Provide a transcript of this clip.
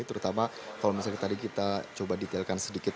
terutama kalau misalnya tadi kita coba detailkan sedikit